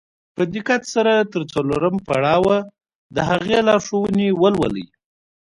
په دقت سره تر څلورم پړاوه د هغې لارښوونې ولولئ.